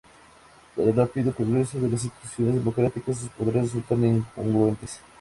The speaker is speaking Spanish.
Con el rápido progreso de las instituciones democráticas, sus poderes resultaban incongruentes.